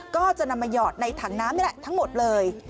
ก็จะนำมาหยอดในถังน้ำนี่แหละทั้งหมดเลย